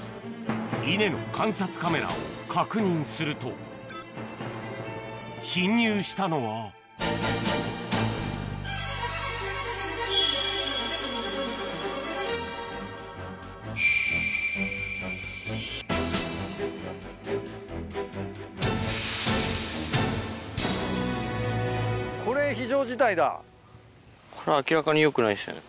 稲の観察カメラを確認すると侵入したのはこれ明らかによくないっすよね。